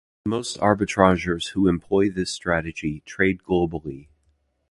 Most arbitrageurs who employ this strategy trade globally.